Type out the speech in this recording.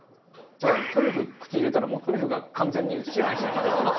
ただトリュフ口に入れたらもうトリュフが完全に支配しちゃいます。